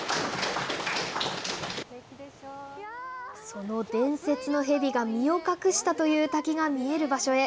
その伝説の蛇が身を隠したという滝が見える場所へ。